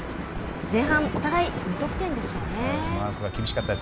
前半、お互い無得点でしたね。